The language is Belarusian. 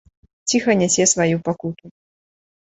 Ціха нясе сваю пакуту.